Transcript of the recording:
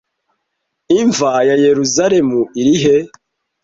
Imva ya Yerusalemu iri he